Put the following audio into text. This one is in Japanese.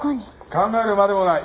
考えるまでもない。